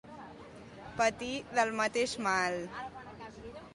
Patir del mateix mal.